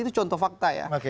itu contoh fakta ya